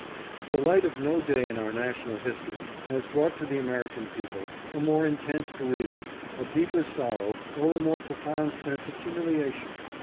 The light of no day in our national history has brought to the American people a more intense bereavement, a deeper sorrow, or a more profound sense of humiliation.